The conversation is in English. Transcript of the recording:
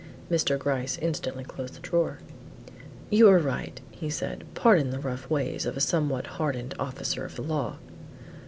Mr. Gryce instantly closed the drawer. "You are right," said he; "pardon the rough ways of a somewhat hardened officer of the law."